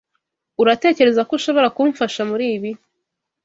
Uratekereza ko ushobora kumfasha muri ibi?